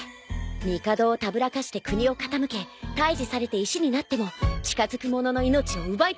みかどをたぶらかして国を傾け退治されて石になっても近づくものの命を奪い続けたそうよ。